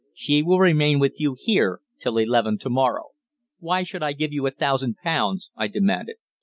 "She will remain with you here till eleven to morrow." "Why should I give you a thousand pounds?" I demanded.